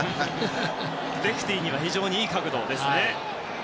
レフティには非常にいい角度ですね。